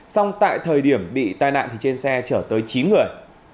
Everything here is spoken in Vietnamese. xong tại thời điểm bị tai nạn thì trên xe chở tới chín người